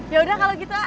yaudah kalau gitu a